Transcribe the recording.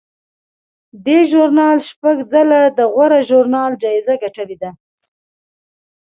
دې ژورنال شپږ ځله د غوره ژورنال جایزه ګټلې ده.